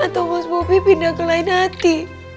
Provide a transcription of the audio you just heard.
atau mas bobi pindah ke lain hati